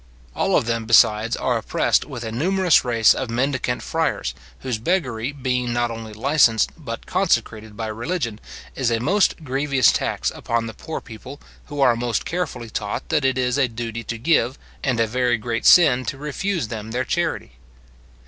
All of them, besides, are oppressed with a numerous race of mendicant friars, whose beggary being not only licensed but consecrated by religion, is a most grievous tax upon the poor people, who are most carefully taught that it is a duty to give, and a very great sin to refuse them their charity.